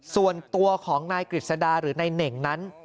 ส่วนตัวของนายกฤษดาหรือนายเหน่งนั้น